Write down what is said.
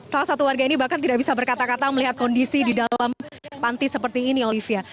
salah satu warga ini bahkan tidak bisa berkata kata melihat kondisi di dalam panti seperti ini olivia